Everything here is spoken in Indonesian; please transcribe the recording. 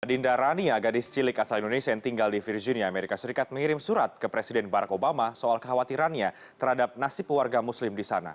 adinda rania gadis cilik asal indonesia yang tinggal di virginia amerika serikat mengirim surat ke presiden barack obama soal kekhawatirannya terhadap nasib warga muslim di sana